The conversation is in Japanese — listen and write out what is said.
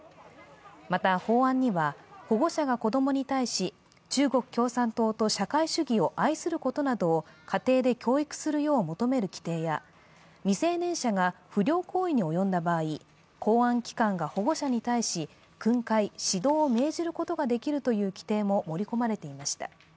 また、法案には保護者が子供に対し中国共産党と社会主義を愛することなどを家庭で教育するよう求める規定や未成年者が不良行為に及んだ場合、公安機関が保護者に対し、訓戒・指導を命じることができるという規定も盛り込まれていました。